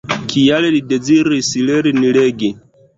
Kial li deziris lerni legi?